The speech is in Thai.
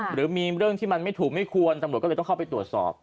หรือมีเรื่องที่มันไม่ถูกไม่ควรตำรวจก็เลยต้องเข้าไปตรวจสอบ